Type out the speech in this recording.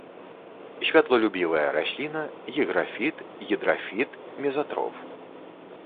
Святлолюбівая расліна, гіграфіт, гідрафіт, мезатроф.